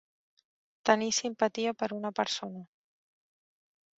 Tenir simpatia per una persona.